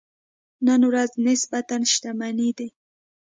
نن ورځ نسبتاً شتمنې دي.